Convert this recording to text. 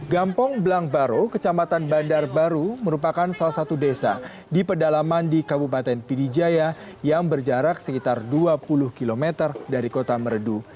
gampong blangbaro kecamatan bandar baru merupakan salah satu desa di pedalaman di kabupaten pidijaya yang berjarak sekitar dua puluh km dari kota merdu